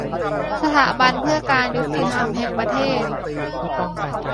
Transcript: สถาบันเพื่อการยุติธรรมแห่งประเทศ